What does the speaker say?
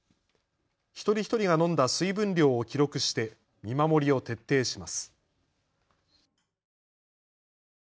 一人一人が飲んだ水分量を記録して見守りを徹底します。